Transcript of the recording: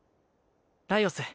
ライオス